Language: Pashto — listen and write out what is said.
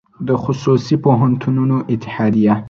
د خصوصي پوهنتونونو اتحادیه